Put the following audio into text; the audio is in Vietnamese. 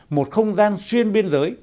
một không gian xuyên biên giới